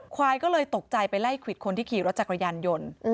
ควายก็เลยตกใจไปไล่ควิดคนที่ขี่รถจักรยานยนต์